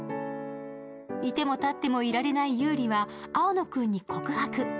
いてもたってもいられない優里は青野君に告白。